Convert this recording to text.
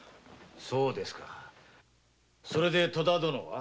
そうですかそれで戸田殿は？